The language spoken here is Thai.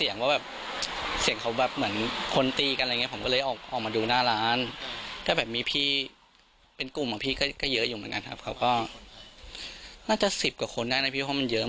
ได้ยินเสียงคนทะเลาะกันจึงออกมาดูและก็เห็นคนจำนวนมากกำลังลุมทำร้ายอีกฝ่าย